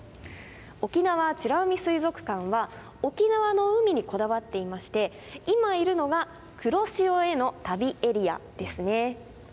沖縄美ら海水族館は沖縄の海にこだわっていまして今いるのが「黒潮への旅エリア」ですね。